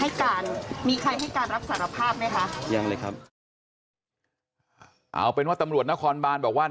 ใครให้การรับสารภาพไหมคะยังเลยครับเอาเป็นว่าตำรวจนครบานบอกว่า